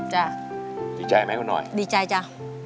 ดีใจไหมคุณหน่อยดีใจจ้ะ